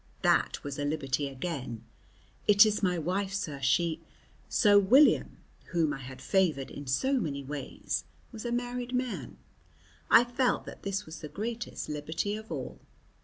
"That was a liberty again." "It is my wife, sir, she " So William, whom I had favoured in so many ways, was a married man. I felt that this was the greatest liberty of all.